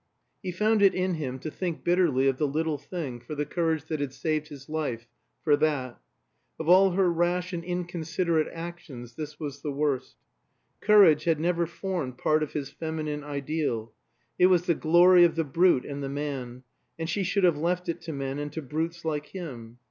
He found it in him to think bitterly of the little thing for the courage that had saved his life for that. Of all her rash and inconsiderate actions this was the worst. Courage had never formed part of his feminine ideal; it was the glory of the brute and the man, and she should have left it to men and to brutes like him.